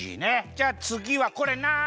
じゃあつぎはこれなんだ？